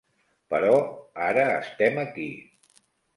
Però ara estem aquí.